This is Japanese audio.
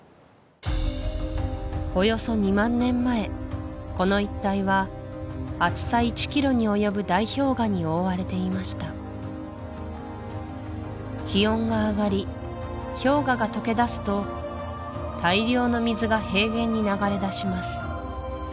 およそ２万年前この一帯は厚さ１ｋｍに及ぶ大氷河に覆われていました気温が上がり氷河が溶けだすと大量の水が平原に流れ出します